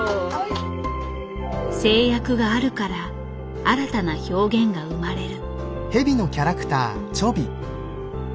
制約があるから新たな表現が生まれる。